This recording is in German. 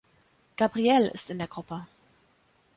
Gabrielle ist in der Gruppe.